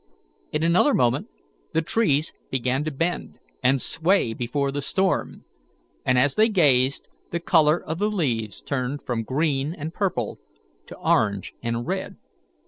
In another moment the trees began to bend and sway before the storm; and as they gazed, the colour of the leaves turned from green and purple to orange and red.